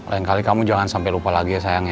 lain kali kamu jangan sampai lupa lagi ya sayangnya